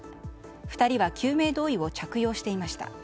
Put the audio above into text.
２人は救命胴衣を着用していました。